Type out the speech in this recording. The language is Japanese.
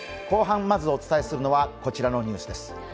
後半、まずお伝えするのはこちらのニュースです。